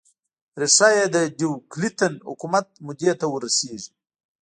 ریښه یې د ډیوکلتین حکومت مودې ته ور رسېږي.